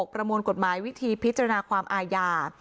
ประมวลกดหมายวิธีพิจารณาอ่ายา